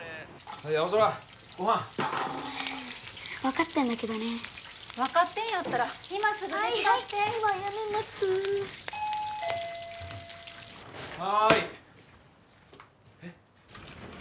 はい青空ご飯分かってんだけどね分かってんやったら今すぐ手伝ってはいはい今やめますはいえっ？